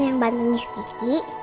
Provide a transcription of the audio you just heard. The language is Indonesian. yang bantu miss kiki